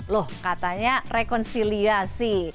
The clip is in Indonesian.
loh katanya rekonsiliasi